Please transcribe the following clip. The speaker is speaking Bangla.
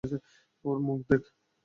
ওর মুখ দেখ।